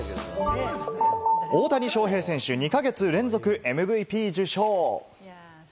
大谷翔平選手、２か月連続ＭＶＰ受賞！